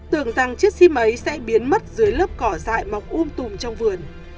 tưởng rằng chiếc sim ấy sẽ biến mất dưới lớp cỏ dại mọc um tùm trong vườn